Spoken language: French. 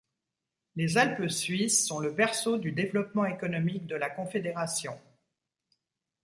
Les Alpes suisses sont le berceau du développement économique de la Confédération.